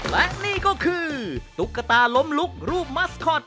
และนี่ก็คือตุ๊กตาล้มลุกรูปมัสคอต